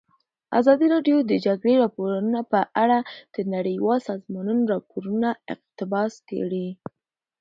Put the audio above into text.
ازادي راډیو د د جګړې راپورونه په اړه د نړیوالو سازمانونو راپورونه اقتباس کړي.